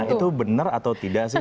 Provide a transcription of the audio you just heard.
itu benar atau tidak sih